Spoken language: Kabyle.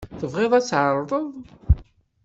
Tebɣiḍ ad tɛerḍeḍ?